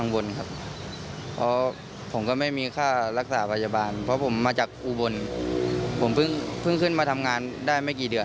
กังวลครับเพราะผมก็ไม่มีค่ารักษาพยาบาลเพราะผมมาจากอุบลผมเพิ่งขึ้นมาทำงานได้ไม่กี่เดือน